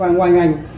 và ngoài ngành